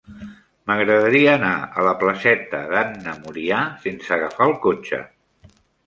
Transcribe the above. M'agradaria anar a la placeta d'Anna Murià sense agafar el cotxe.